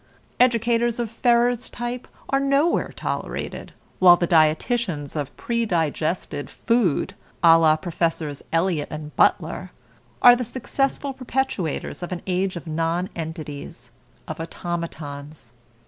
Educators of Ferrer's type are nowhere tolerated, while the dietitians of predigested food, a la Professors Eliot and Butler, are the successful perpetuators of an age of nonentities, of automatons.